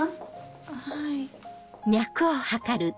はい。